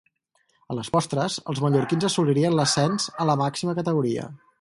A les postres, els mallorquins assolirien l'ascens a la màxima categoria.